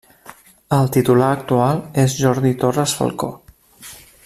El titular actual és Jordi Torres Falcó.